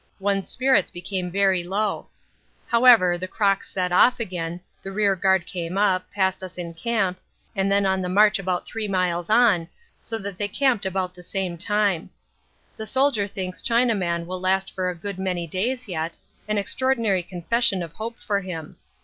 One's spirits became very low. However, the crocks set off again, the rearguard came up, passed us in camp, and then on the march about 3 miles on, so that they camped about the same time. The Soldier thinks Chinaman will last for a good many days yet, an extraordinary confession of hope for him.